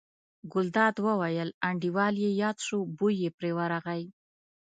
ګلداد وویل: انډیوال یې یاد شو، بوی یې پرې ورغی.